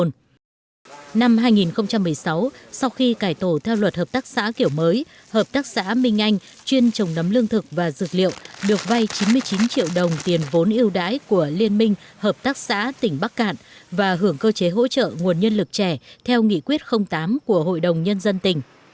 năm hai nghìn một mươi sáu sau khi cải tổ theo luật hợp tác xã kiểu mới hợp tác xã minh anh chuyên trồng nấm lương thực và dược liệu được vay chín mươi chín triệu đồng tiền vốn yêu đái của liên minh hợp tác xã tỉnh bắc cạn và hưởng cơ chế hỗ trợ nguồn nhân lực trẻ theo nghị quyết tám của hội đồng nhân dân tỉnh